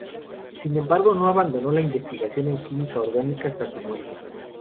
Sin embargo no abandonó la investigación en química orgánica hasta su muerte.